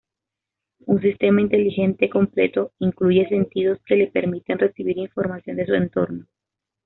Un sistema inteligente completo incluye "sentidos" que le permiten recibir información de su entorno.